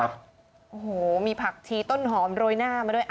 โอ้โหมีผักชีต้นหอมโรยหน้ามาด้วย